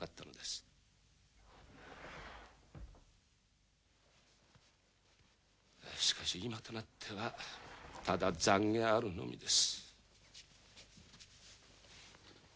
がしかし今となってはただ懺悔あるのみです。